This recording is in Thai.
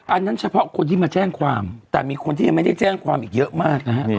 อันนั้นเฉพาะคนที่มาแจ้งความแต่มีคนที่ยังไม่ได้แจ้งความอีกเยอะมากนะฮะ